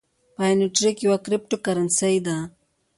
پای نیټورک یوه کریپټو کرنسۍ ده